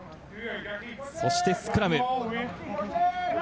そしてスクラム。